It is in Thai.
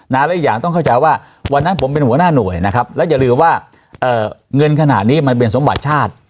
และอีกอย่างต้องเข้าใจว่าวันนั้นผมเป็นหัวหน้าหน่วยนะครับแล้วอย่าลืมว่าเงินขนาดนี้มันเป็นสมบัติชาติ